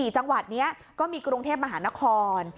๔จังหวัดนี้ก็มีกรุงเทพมหานคร